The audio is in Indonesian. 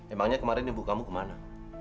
emangnya kemarin ibu kamu kemana